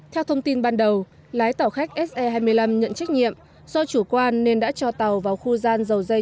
theo thông tin ban đầu lái tàu khách se hai mươi năm nhận trách nhiệm do chủ quan nên đã cho tàu vào khu gian dầu dây